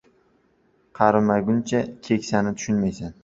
• Qarimaguncha keksani tushunmaysan.